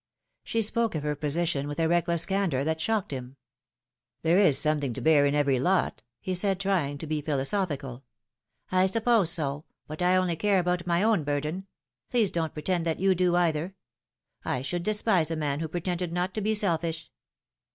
She spoke of her position with a reckless candour that shocked him. " There is something to bear in every lot," he said, trying to be philosophical. " I suppose so, but I only care about my own burden. Please don't pretend that you do either. I should despite a man who pretended not to be selfish."